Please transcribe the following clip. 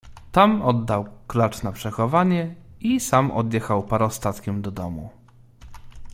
"Tam oddał klacz na przechowanie i sam odjechał parostatkiem do domu."